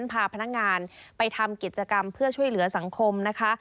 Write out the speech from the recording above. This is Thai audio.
พาพนักงานไปทำกิจกรรมเพื่อช่วยเหลือสังคมนะคะ